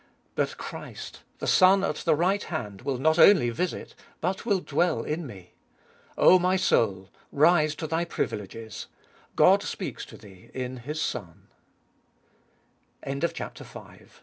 But Christ, the Son at the right hand, will not only visit, but will dwell In me. 0 my soul, rise to thy privileges: God speaks to thee in His So